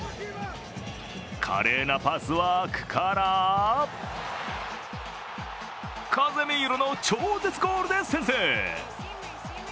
華麗なパスワークからカゼミーロの超絶ゴールで先制。